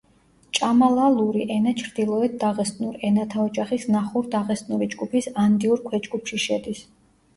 ჭამალალური ენა ჩრდილოეთ დაღესტნურ ენათა ოჯახის ნახურ-დაღესტნური ჯგუფის ანდიურ ქვეჯგუფში შედის.